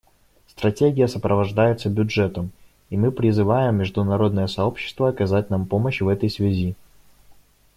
Стратегия сопровождается бюджетом, и мы призываем международное сообщество оказать нам помощь в этой связи.